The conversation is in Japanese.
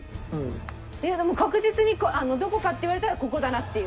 いやでも確実にどこかって言われたらここだなっていう。